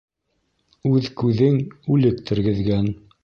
Үҙ күҙең үлек тергеҙгән.